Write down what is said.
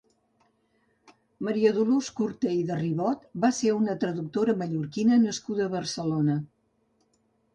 Maria Dolors Cortey de Ribot va ser una traductora mallorquina nascuda a Barcelona.